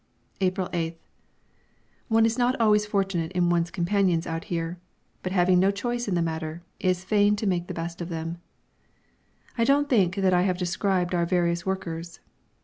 April 8th. One is not always fortunate in one's companions out here, but, having no choice in the matter, is fain to make the best of them. I don't think I have described our various workers.